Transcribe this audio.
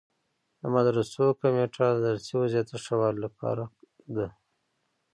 مدرسو کمیټه د درسي وضعیت د ښه والي لپاره ده.